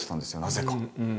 なぜか。